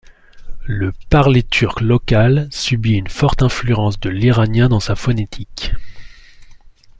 Le parler turk local subit une forte influence de l'iranien dans sa phonétique.